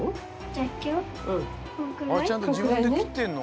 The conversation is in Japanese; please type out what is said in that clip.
ちゃんとじぶんできってんの？